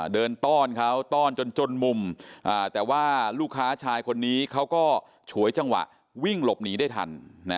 ต้อนเขาต้อนจนจนมุมแต่ว่าลูกค้าชายคนนี้เขาก็ฉวยจังหวะวิ่งหลบหนีได้ทัน